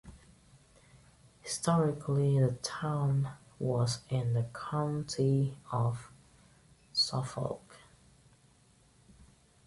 Historically the town was in the county of Suffolk.